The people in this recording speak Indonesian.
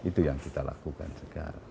itu yang kita lakukan sekarang